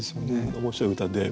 面白い歌で。